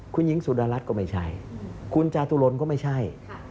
คุณหญิงสุดารัฐก็ไม่ใช่คุณจาตุรนก็ไม่ใช่